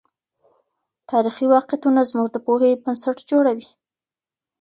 تاريخي واقعيتونه زموږ د پوهې بنسټ جوړوي.